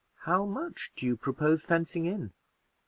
"How much do you propose fencing in?"